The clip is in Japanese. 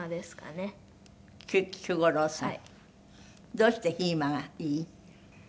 どうしてひーまがいい？